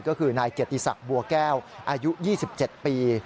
ก็คือนายเกียรติศักดิ์บัวแก้วอายุ๒๗ปี